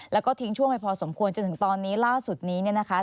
แล้วก็ทิ้งช่วงไปพอสมควรจนถึงตอนนี้ล่าสุดนี้เนี่ยนะคะ